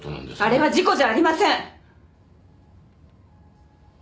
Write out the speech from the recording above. あれは事故じゃありません！